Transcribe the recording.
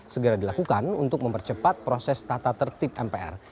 segera dilakukan untuk mempercepat proses tata tertib mpr